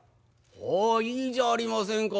「ほういいじゃありませんか。